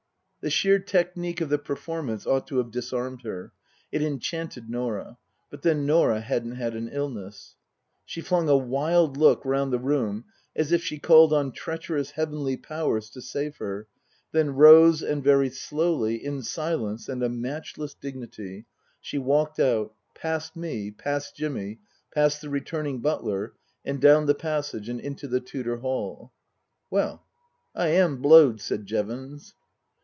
The sheer technique of the performance ought to have disarmed her. (It enchanted Norah. But then Norah hadn't had an illness.) She flung a wild look round the room as if she called on^treacherous heavenly powers to save her, then rose and very slowly, in silence and a matchless dignity, she walked out, past me, past Jimmy, past the returning butler, and down the passage and into the Tudor hall. " Well I am bio wed," said Jevons.